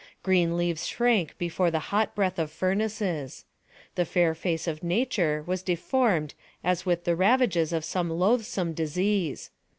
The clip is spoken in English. Green leaves shrank before the hot breath of furnaces. The fair face of Nature was deformed as with the ravages of some loathsome disease.